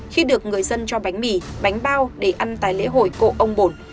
khi được người dân cho bánh mì bánh bao để ăn tại lễ hội cộ ông bồn